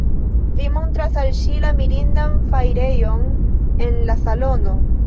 Vi montras al ŝi la mirindan fajrejon en la salono.